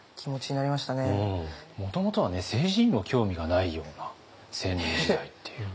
もともとはね政治にも興味がないような青年時代っていう。